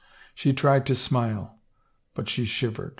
She tried to smile, but she shivered.